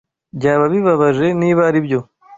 Byaba bibabaje niba aribyo.